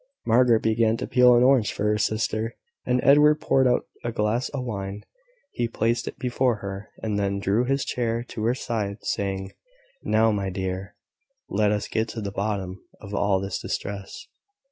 Margaret began to peel an orange for her sister, and Edward poured out a glass of wine; he placed it before her, and then drew his chair to her side, saying "Now, my dear, let us get to the bottom of all this distress."